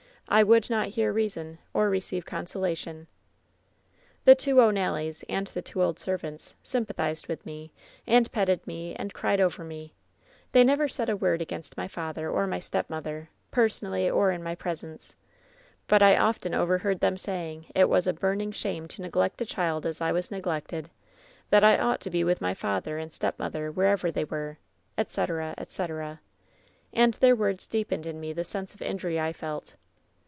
I would not hear reason or receive consolation. "The two O'Nallys and the two old servants sympa thized with me, and petted me, and cried over me* 146 WHEN SHADOWS DEE They never said a word against my father or my step mother, personally or in my presence ; but I often over heard them saying it was 'a burning shame to neglect a child as I was neglected ; that I ought to be with my father and stepmother, wherever they were,' etc., etc. And their words deepened in me the sense of injury I felt.